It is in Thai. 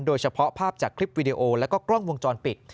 โดยเฉพาะภาพจากคลิปวิดีโอแล้วก็กล้องวงจรปิด